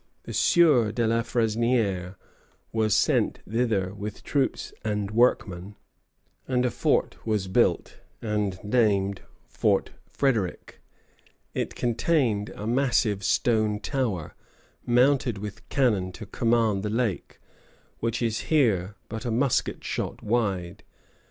The Sieur de la Fresnière was sent thither with troops and workmen, and a fort was built, and named Fort Frédéric. It contained a massive stone tower, mounted with cannon to command the lake, which is here but a musket shot wide.